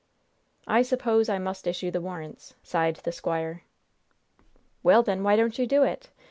"I suppose I must issue the warrants," sighed the squire. "Well, then why don't you do it?